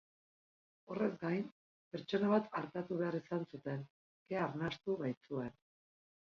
Horrez gain, pertsona bat artatu behar izan zuten, kea arnastu baitzuen.